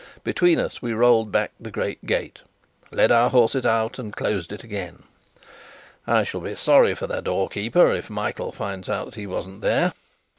Between us we rolled back the great gate, led our horses out, and closed it again. "I shall be sorry for the doorkeeper if Michael finds out that he wasn't there.